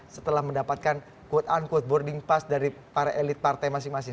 setelah mendapatkan quote unquote boarding pass dari para elit partai masing masing